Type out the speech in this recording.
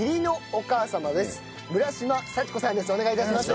お願いします。